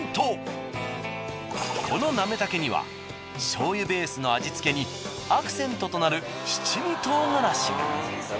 このなめ茸には醤油ベースの味付けにアクセントとなる七味唐辛子が。